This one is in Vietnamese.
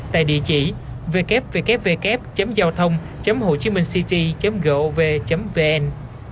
tại địa chỉ www giaothong hcc gov vn